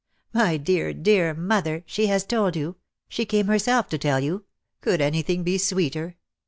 "My dear, dear mother! She has told you! She came herself to tell you. Could anything be sweeter?